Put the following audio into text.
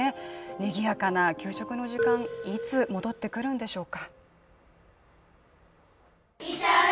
にぎやかな給食の時間、いつ戻ってくるんでしょうか。